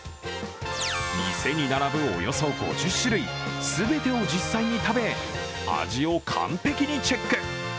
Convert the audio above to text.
店に並ぶおよそ５０種類、全てを実際に食べ、味を完璧にチェック。